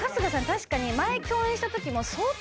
確かに。